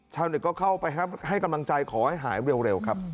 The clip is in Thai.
ชาวเน็ตก็เข้าไปให้กำลังใจขอให้หายเร็วครับ